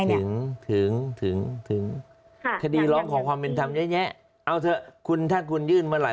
ถึงถึงถึงถึงคดีร้องขอความเป็นธรรมแยะเอาเถอะถ้าคุณยื่นมาหลาย